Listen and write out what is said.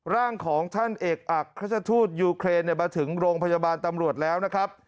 ร่างของท่านเอกอักราชทูตยูเครนมาถึงโรงพยาบาลตำรวจแล้วนะครับ